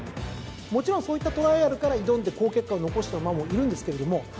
もちろんそういったトライアルから挑んで好結果を残した馬もいるんですけれども。